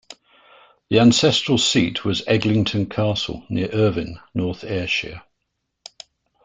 The ancestral seat was Eglinton Castle, near Irvine, North Ayrshire.